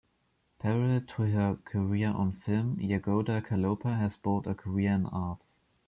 Parallel to her career on film, Jagoda Kaloper has built a career in arts.